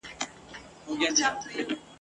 د جګړې په جریان کې خلک هڅه کوي ژوندي پاته سي.